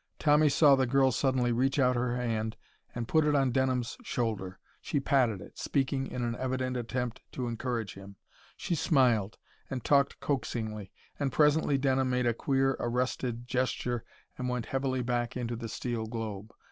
Tommy saw the girl suddenly reach out her hand and put it on Denham's shoulder. She patted it, speaking in an evident attempt to encourage him. She smiled, and talked coaxingly, and presently Denham made a queer, arrested gesture and went heavily back into the steel globe.